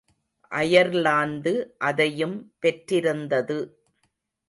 Ireland அதையும் பெற்றிருந்தது.